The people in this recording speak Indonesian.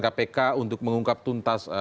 kpk untuk mengungkap tuntas